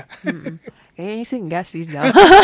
kayaknya sih enggak sih